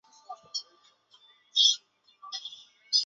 这些能级的大小取决于原子类型和原子所处的化学环境。